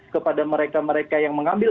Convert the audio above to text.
kepada mereka mereka yang mengambil